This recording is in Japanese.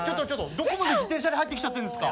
どこまで自転車で入ってきちゃってんですか。